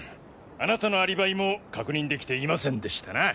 あなたのアリバイも確認できていませんでしたな。